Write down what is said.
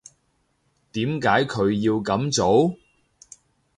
點解佢要噉做？